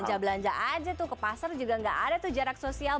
bisa belanja aja tuh ke pasar juga nggak ada tuh jarak sosial